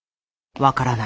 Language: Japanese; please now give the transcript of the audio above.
分からない。